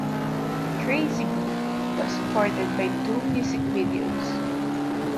"Crazy Beat" was supported by two music videos.